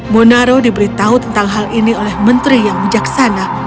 munaro diberitahu tentang hal ini oleh menteri yang bijaksana